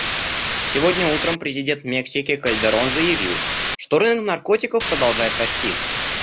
Сегодня утром президент Мексики Кальдерон заявил, что рынок наркотиков продолжает расти.